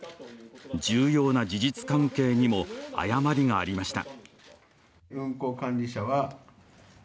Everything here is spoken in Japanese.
重要な事実関係にも誤りがありました。